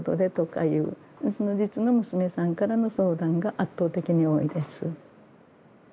実の娘さんからの相談が圧倒的に多いです。